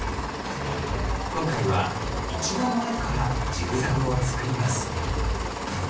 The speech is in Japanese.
今回は一番前からジグザグを作ります。